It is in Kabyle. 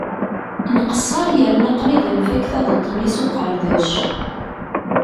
Nqesser yerna qrib ad nfakk taduṭ-nni s uqerdec.